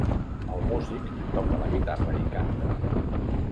El músic toca la guitarra i canta.